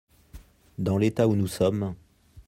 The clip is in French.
Dans l’état où nous sommes.